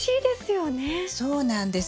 そうなんです。